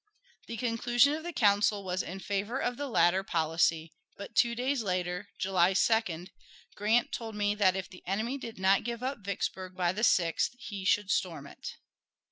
The conclusion of the council was in favor of the latter policy, but two days later, July 2d, Grant told me that if the enemy did not give up Vicksburg by the 6th he should storm it.